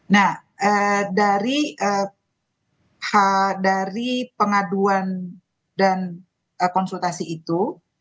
nah dari pengaduan dan konsultasi itu